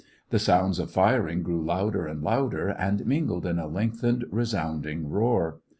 The sounds of firing grew louder and louder, and mingled in a lengthened, resounding roar.